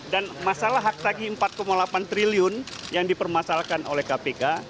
dan masalah hak tagi empat delapan triliun yang dipermasalkan oleh kpk